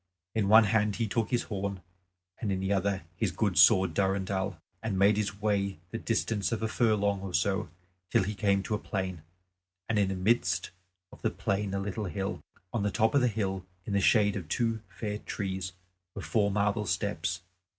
In one hand he took his horn, and in the other his good sword Durendal, and made his way the distance of a furlong or so till he came to a plain, and in the midst of the plain a little hill. On the top of the hill in the shade of two fair trees were four marble steps.